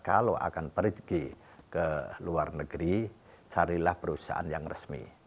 kalau akan pergi ke luar negeri carilah perusahaan yang resmi